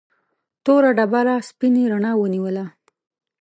توره ډبره سپینې رڼا ونیوله.